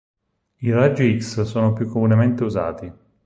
I raggi X sono più comunemente usati.